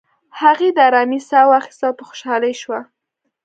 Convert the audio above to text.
هغې د آرامی ساه واخیستل، په خوشحالۍ شوه.